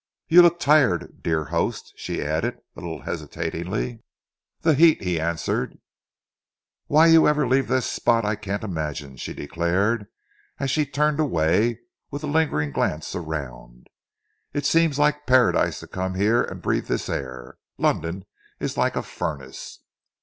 You look tired, dear host," she added, a little hesitatingly. "The heat," he answered. "Why you ever leave this spot I can't imagine," she declared, as she turned away, with a lingering glance around. "It seems like Paradise to come here and breathe this air. London is like a furnace."